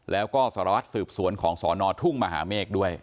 แล้วก็สารวัตรสืบสวนของสอนอทุ่งมหาเมฆด้วย